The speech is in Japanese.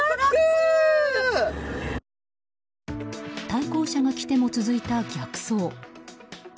対向車が来ても続いた逆走。